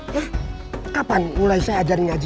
ya kapan mulai saya ajar ngaji